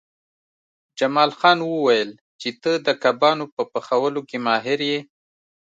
جمال خان وویل چې ته د کبابونو په پخولو کې ماهر یې